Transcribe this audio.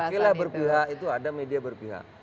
tapi media oke lah berpihak